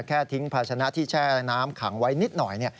แค่ทิ้งภาชนะที่แช่และน้ำขังไว้นิดหน่อย